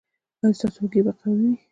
ایا ستاسو اوږې به قوي وي؟